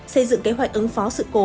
xây dựng kế hoạch ứng phó sự cố